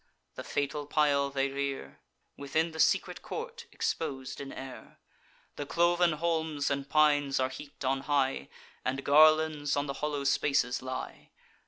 The fatal pile they rear, Within the secret court, expos'd in air. The cloven holms and pines are heap'd on high, And garlands on the hollow spaces lie.